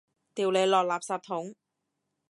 掉你落垃圾桶！